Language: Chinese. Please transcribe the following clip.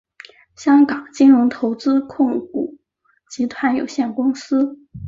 香港金融投资控股集团有限公司。